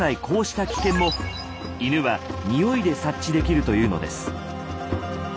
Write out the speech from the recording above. こうした危険も犬はニオイで察知できるというのです。